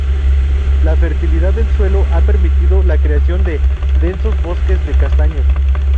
La fertilidad del suelo ha permitido la creación de densos bosques de castaños.